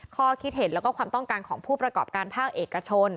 ข้อคิดเห็นแล้วก็ความต้องการของผู้ประกอบการภาคเอกชน